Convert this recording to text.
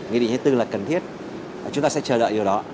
nghị định hai mươi bốn là cần thiết chúng ta sẽ chờ đợi điều đó